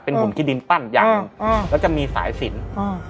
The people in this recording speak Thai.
เป็นหุ่นที่ดินปั้นอย่างอืมอืมแล้วก็จะมีสายสินอืม